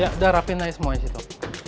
ya udah rapin aja semua disitu